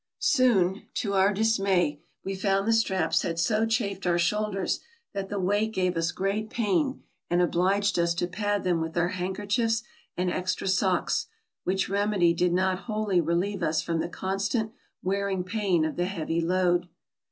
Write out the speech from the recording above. Soon, to our dismay, we found the straps had so chafed our shoulders that the weight gave us great pain and obliged us to pad them with our handkerchiefs and extra socks, which remedy did not wholly relieve us from the constant wearing pain of the heavy load.